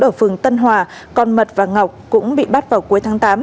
ở phường tân hòa còn mật và ngọc cũng bị bắt vào cuối tháng tám